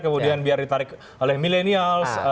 kemudian biar ditarik oleh millenials